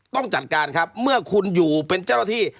ต้องจัดการครับเมื่อคุณอยู่เป็นเจ้าหน้าที่